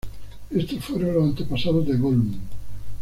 Estos fueron los antepasados de Gollum.